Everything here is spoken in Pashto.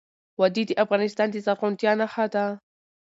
وادي د افغانستان د زرغونتیا نښه ده.